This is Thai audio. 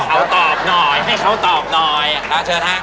โอ้ให้เขาตอบหน่อยให้เขาตอบหน่อยครับเชิญครับ